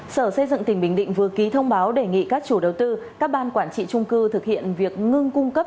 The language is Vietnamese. sở xây dựng tỉnh bình định vừa ký thông báo đề nghị các chủ đầu tư các ban quản trị trung cư thực hiện việc ngưng cung cấp